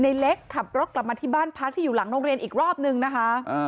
ในเล็กขับรถกลับมาที่บ้านพักที่อยู่หลังโรงเรียนอีกรอบนึงนะคะ